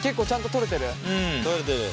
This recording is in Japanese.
取れてる。